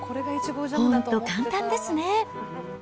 本当、簡単ですね。